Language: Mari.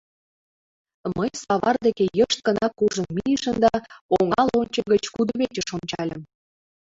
Мый савар деке йышт гына куржын мийышым да оҥа лончо гыч кудывечыш ончальым.